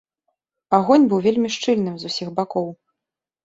Агонь быў вельмі шчыльным з усіх бакоў.